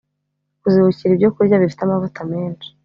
Kuzibukira ibyo kurya bifite amavuta menshi